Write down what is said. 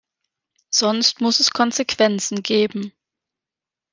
Sonst muss es Konsequenzen geben.